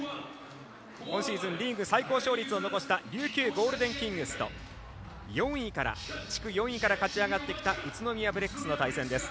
今シーズンリーグ最高勝率を残した琉球ゴールデンキングスと地区４位から勝ち上がってきた宇都宮ブレックスの対戦です。